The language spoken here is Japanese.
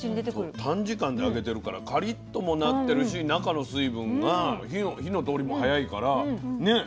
短時間で揚げてるからカリッともなってるし中の水分が火の通りも早いからね